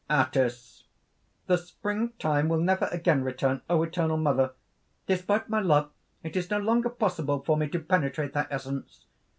ATYS. "The springtime will never again return, O eternal Mother! Despite my love, it is no longer possible for me to penetrate thy essence!